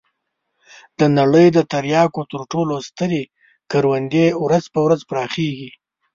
د نړۍ د تریاکو تر ټولو سترې کروندې ورځ په ورځ پراخېږي.